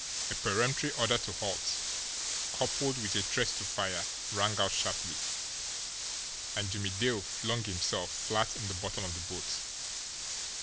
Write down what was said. A peremptory order to halt, coupled with a threat to fire, rang out sharply and Jimmie Dale flung himself flat in the bottom of the boat.